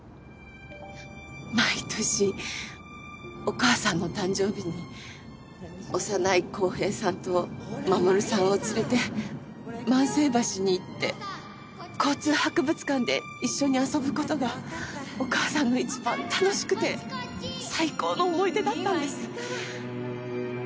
毎年お義母さんの誕生日に幼い公平さんと守さんを連れて万世橋に行って交通博物館で一緒に遊ぶ事がお義母さんの一番楽しくて最高の思い出だったんです。